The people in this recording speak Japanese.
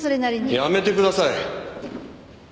やめてください。